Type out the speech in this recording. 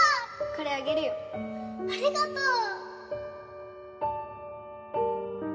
これあげるよありがとう！